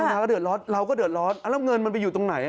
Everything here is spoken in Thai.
เวลาก็เดือดร้อนเราก็เดือดร้อนแล้วเงินมันไปอยู่ตรงไหน